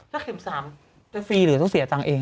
ถ้าเข็ม๓จะฟรีหรือต้องเสียตังค์เอง